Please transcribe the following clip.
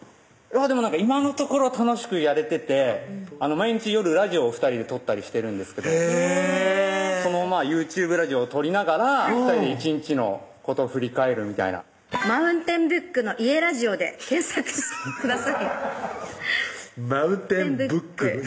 でもなんか今のところは楽しくやれてて毎日夜ラジオを２人でとったりしてるんですけどへぇそのＹｏｕＴｕｂｅラジオをとりながら２人で１日のことを振り返るみたいな「マウンテンブックの家ラジオ」で検索してくださいマウンテンブック？